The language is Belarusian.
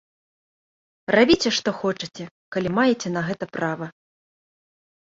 Рабіце што хочаце, калі маеце на гэта права!